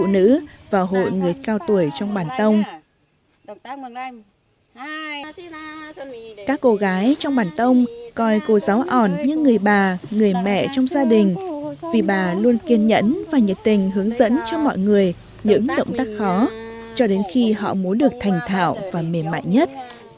người bà người mẹ trong gia đình vì bà luôn kiên nhẫn và nhiệt tình hướng dẫn cho mọi người những động tác khó cho đến khi họ muốn được thành thạo và mềm mại nhất